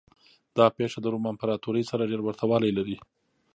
دا پېښه د روم امپراتورۍ سره ډېر ورته والی لري.